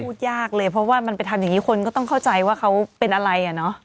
พูดยากเลยเพราะว่ามันไปทำอย่างนี้คนก็ต้องเข้าใจว่าเขาเป็นอะไรอ่ะเนอะ